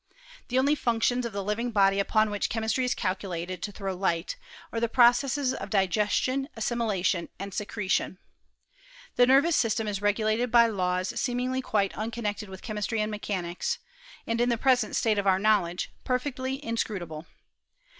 The only functions of the living body upon which chemistry is calculated to throw light, are the pro cesses of digestion, assimilation, and secretion. The nervous system is regulated by laws seemingly quite unconnected with chemistry and mechanics, and, in the present state of our knowledge, perfectly in > scrutable.